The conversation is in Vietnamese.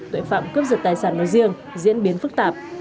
tội phạm cướp giật tài sản nói riêng diễn biến phức tạp